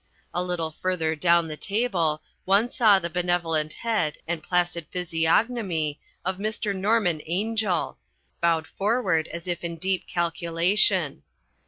A little further down the table one saw the benevolent head and placid physiognomy of Mr. Norman Angell, bowed forward as if in deep calculation.